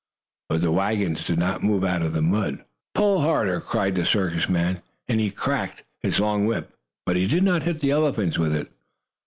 But the wagon did not move out of the mud. "Pull harder!" cried the circus man, and he cracked his long whip, but he did not hit the elephants with it.